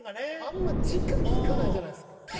あんまじかにいかないじゃないですか。